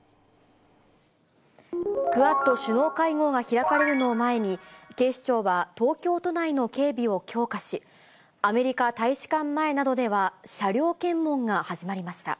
クアッド首脳会合が開かれるのを前に、警視庁は、東京都内の警備を強化し、アメリカ大使館前などでは車両検問が始まりました。